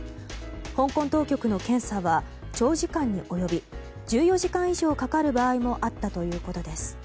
香港当局の検査は長時間に及び１４時間以上かかる場合もあったということです。